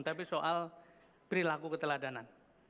tapi soal perilaku keteladanan